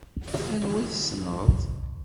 Anwa i tessneḍ?